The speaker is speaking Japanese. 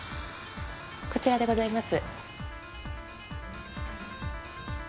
こちらでございます。